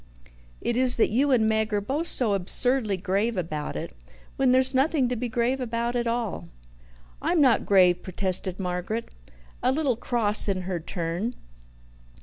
"It is that you and Meg are both so absurdly grave about it, when there's nothing to be grave about at all." "I'm not grave," protested Margaret, a little cross in her turn.